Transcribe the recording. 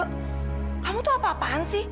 kamu tuh apa apaan sih